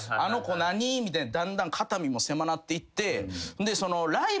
みたいなだんだん肩身も狭なっていって。